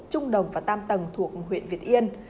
trung đồng và tam tầng thuộc huyện việt yên